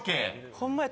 ホンマや。